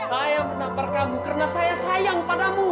saya menampar kamu karena saya sayang padamu